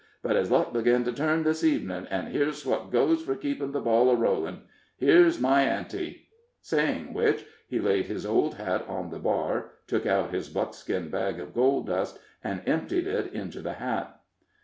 But his luck begun to turn this evening, an' here's what goes for keepin' the ball a rollin'. Here's my ante;" saying which, he laid his old hat on the bar, took out his buckskin bag of gold dust, and emptied it into the hat.